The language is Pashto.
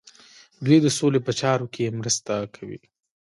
دوی د سولې په چارو کې مرسته کوي.